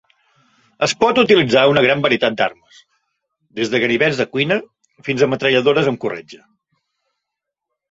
Es pot utilitzar una gran varietat d'armes, des de ganivets de cuina fins a metralladores amb corretja.